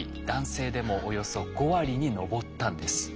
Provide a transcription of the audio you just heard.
男性でもおよそ５割に上ったんです。